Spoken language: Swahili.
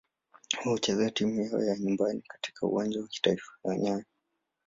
Wao hucheza michezo yao ya nyumbani katika Uwanja wa Taifa wa nyayo.